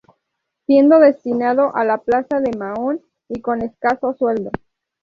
Siendo destinado a la plaza de Mahón y con escaso sueldo.